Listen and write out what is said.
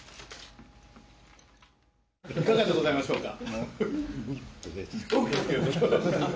いかがでございましょうか。